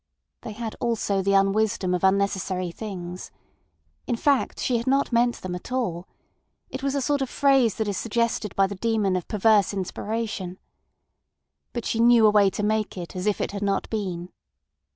They had also the unwisdom of unnecessary things. In fact, she had not meant them at all. It was a sort of phrase that is suggested by the demon of perverse inspiration. But she knew a way to make it as if it had not been.